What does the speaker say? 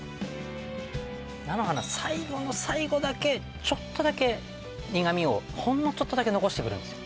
菜の花最後の最後だけちょっとだけ苦味をほんのちょっとだけ残してくるんですよ